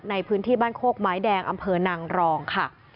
ในพื้นที่บ้านโคกไม้แดงอำเภอนางรองค่ะ